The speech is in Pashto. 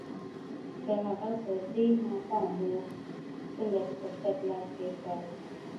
د هغه پر دې ما پام و، څنګه دې پر څټ لاس تېر کړ؟